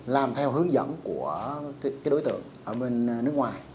làm theo hướng dẫn của đối tượng ở bên nước ngoài